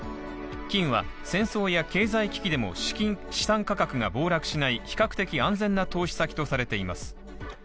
金は戦争や経済危機でも資産価格が暴落しない比較的安全な投資先とされています。